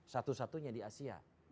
satu satunya di asia